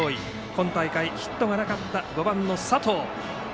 今大会ヒットがなかった５番の佐藤。